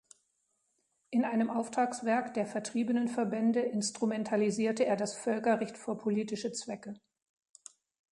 In einem Auftragswerk der Vertriebenenverbände instrumentalisierte er das Völkerrecht für politische Zwecke.